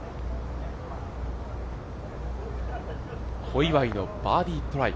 小祝のバーディートライ。